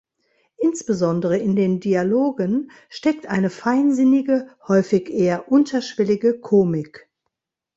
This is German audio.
Insbesondere in den Dialogen steckt eine feinsinnige, häufig eher unterschwellige Komik.